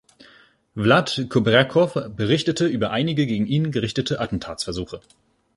Vlad Cubreacov berichtete über einige gegen ihn gerichtete Attentatsversuche.